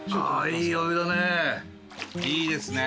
いいですね。